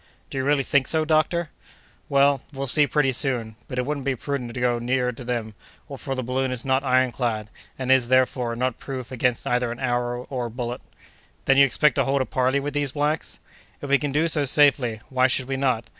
"Do you really think so, doctor?" "Well, we'll see pretty soon. But it wouldn't be prudent to go too near to them, for the balloon is not iron clad, and is, therefore, not proof against either an arrow or a bullet." "Then you expect to hold a parley with these blacks?" "If we can do so safely, why should we not?